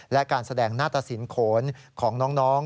และการแสดงหน้าตะสินโขนของน้อง